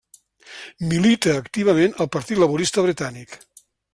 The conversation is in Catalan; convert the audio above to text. Milita activament al partit laborista britànic.